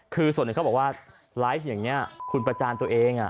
คือส่วนหนึ่งเขาบอกว่าไลฟ์อย่างนี้คุณประจานตัวเอง